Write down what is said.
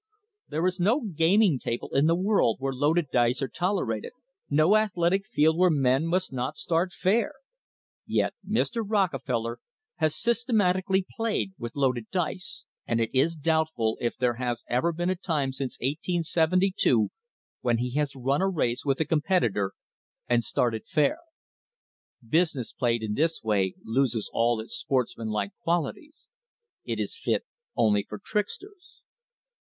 There is no gaming table in the world where loaded dice are tolerated, no athletic field where men must not start fair. Yet Mr. Rockefeller has systemat ically played with loaded dice, and it is doubtful if there has ever been a time since 1872 when he has run a race with a competitor and started fair. Business played in this way loses all its sportsmanlike qualities. It is fit only for tricksters.